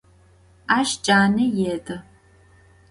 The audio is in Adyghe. Aş cane yêdı.